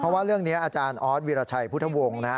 เพราะว่าเรื่องนี้อาจารย์ออสวิราชัยพุทธวงศ์นะฮะ